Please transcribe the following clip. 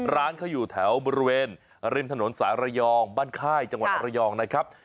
ร้านเขาอยู่แถวบริเวณริมถนนสายระยองบ้านค่ายจังหวัดระยองนะครับ